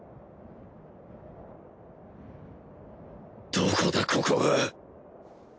どこだここは